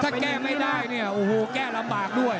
ถ้าแก้ไม่ได้เนี่ยโอ้โหแก้ลำบากด้วย